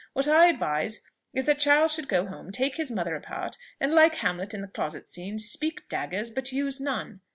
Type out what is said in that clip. What I advise is, that Charles should go home, take his mother apart, and, like Hamlet in the closet scene, 'speak daggers, but use none.'